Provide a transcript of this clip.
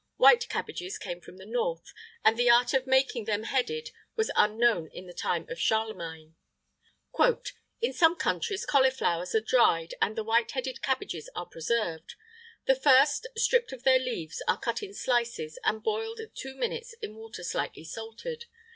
White cabbages came from the north, and the art of making them headed was unknown in the time of Charlemagne.[IX 24] "In some countries cauliflowers are dried, and the white headed cabbages are preserved. The first, stripped of their leaves, are cut in slices, and boiled two minutes in water slightly salted.